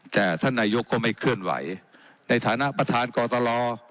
แต่ท่านนายกก็ไม่เคลื่อนไหวในฐานะประธานกตล